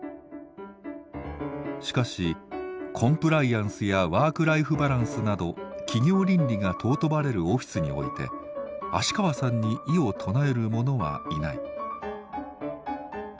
しかしコンプライアンスやワークライフバランスなど企業倫理が尊ばれるオフィスにおいて芦川さんに異を唱える者はいない。